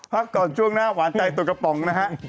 พักก่อนช่วงหน้าหวานใจตัวกระป๋องนะฮะ